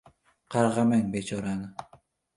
Qarg‘amang becho-rani.